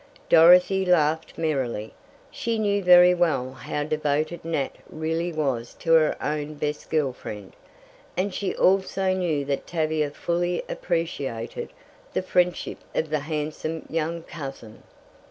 Dorothy laughed merrily. She knew very well how devoted Nat really was to her own best girl friend, and she also knew that Tavia fully appreciated the friendship of the handsome young cousin.